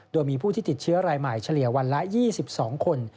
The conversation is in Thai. โดยมีผู้ที่ติดเชื้อรายใหม่เฉลี่ยวันละ๒๒คน